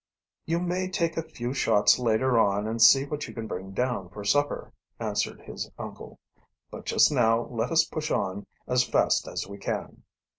"You may take a few shots later on and see what you can bring down for supper," answered his uncle. "But just now let us push on as fast as we can."